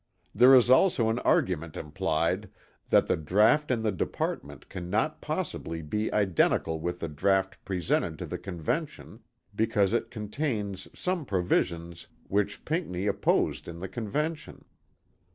There is also an argument implied that the draught in the Department cannot possibly be identical with the draught presented to the Convention because it contains some provisions which Pinckney opposed in the Convention.